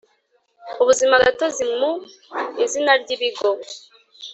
ubuzimagatozi mu izina ry Ibigo